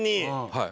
はい。